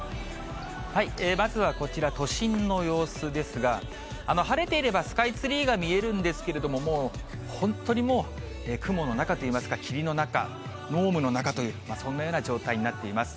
まずはこちら、都心の様子ですが、晴れていればスカイツリーが見えるんですけれども、もう本当に、もう雲の中といいますか、霧の中、濃霧の中という、そんなような状態となっています。